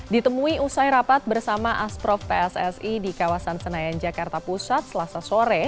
ditemui usai rapat bersama asprof pssi di kawasan senayan jakarta pusat selasa sore